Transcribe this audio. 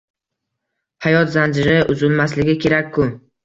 Hayot zanjiri uzulmasligi kerak-ku…